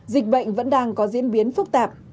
dịch bệnh vẫn đang có diễn biến phức tạp